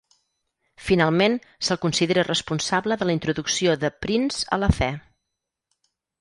Finalment, se'l considera responsable de la introducció de Prince a la fe.